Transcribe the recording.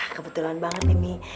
nah kebetulan banget mi